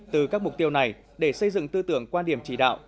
từ các mục tiêu này để xây dựng tư tưởng quan điểm chỉ đạo